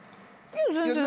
全然。